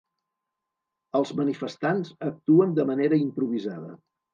Els manifestants actuen de manera improvisada.